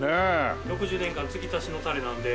６０年間つぎ足しのタレなので。